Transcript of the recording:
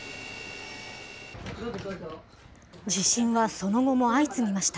地震はその後も相次ぎました。